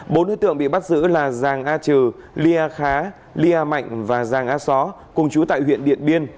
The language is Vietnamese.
bốn đối tượng bị bắt giữ là giàng a trừ lyer khá lia mạnh và giàng a xó cùng chú tại huyện điện biên